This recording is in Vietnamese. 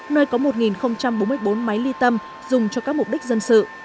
nơi có một bốn mươi bốn máy ly tâm dùng cho các mục đích dân sự